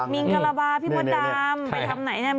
มิงกระบาพี่พัดดำไปทำไหนนะ